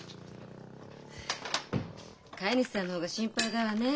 飼い主さんの方が心配だわね。